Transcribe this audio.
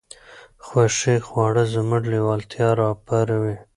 خوښې خواړه زموږ لېوالتیا راپاروي.